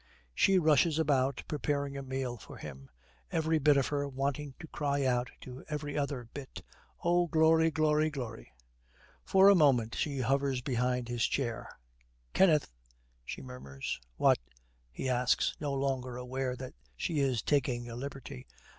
She rushes about preparing a meal for him, every bit of her wanting to cry out to every other bit, 'Oh, glory, glory, glory!' For a moment she hovers behind his chair. 'Kenneth'! she murmurs. 'What?' he asks, no longer aware that she is taking a liberty.